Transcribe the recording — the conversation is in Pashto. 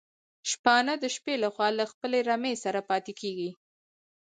شپانه د شپې لخوا له خپلي رمې سره پاتي کيږي